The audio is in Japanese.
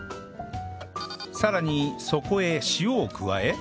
さらにそこへ塩を加え